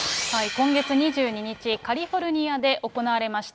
今月２２日、カリフォルニアで行われました